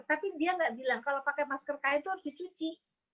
tapi dia nggak bilang kalau pakai masker kain itu harus dicuci